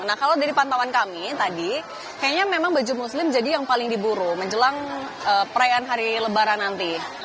nah kalau dari pantauan kami tadi kayaknya memang baju muslim jadi yang paling diburu menjelang perayaan hari lebaran nanti